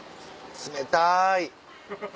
冷たい。